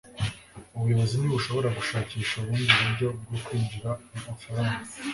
ubuyobozi ntibushobora gushakisha ubundi buryo bwo kwinjiza amafaranga